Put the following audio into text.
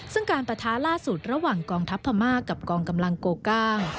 ซึ่งการปะท้าล่าสุดระหว่างกองทัพพม่ากับกองกำลังโกก้าง